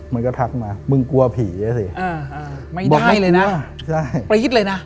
มันก็ทักมามึงกลัวผีอ่ะสิบอกไม่เลยนะใช่ประยิดเลยนะ